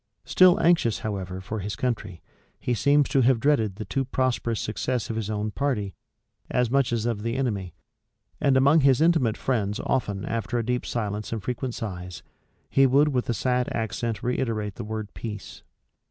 Still anxious, however, for his country, he seems to have dreaded the too prosperous success of his own party as much as of the enemy; and among his intimate friends often after a deep silence and frequent sighs, he would with a sad accent reiterate the word peace.